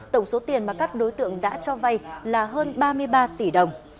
tổng số tiền mà các đối tượng đã cho vay là hơn ba mươi ba tỷ đồng